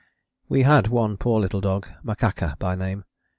We had one poor little dog, Makaka by name.